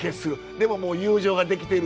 でももう友情ができてる。